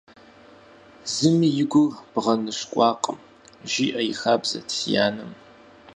«Зыми и гур бгъэныщкӏуакъым», жиӏэ и хабзэт си анэм.